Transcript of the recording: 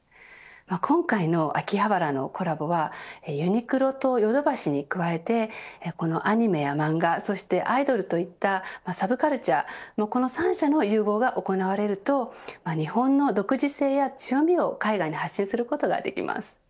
今回の秋葉原でのコラボはユニクロとヨドバシに加えてこのアニメや漫画そしてアイドルといったサブカルチャーのこの３者の融合が行われると日本の独自性や強みを海外に発信することができます。